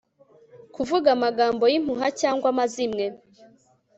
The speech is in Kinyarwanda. kuvuga amagambo y'impuha cyangwa amazimwe